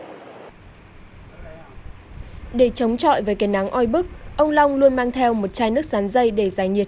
này để chống chọi với cái nắng oi bức ông long luôn mang theo một chai nước sắn dây để giải nhiệt